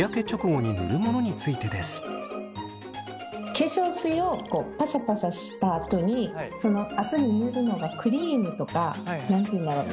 化粧水をパシャパシャしたあとにそのあとに塗るのがクリームとか何て言うんだろう